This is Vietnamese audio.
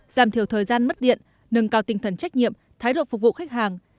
giảm thiểu thời gian mất điện nâng cao tinh thần trách nhiệm thái độ phục vụ khách hàng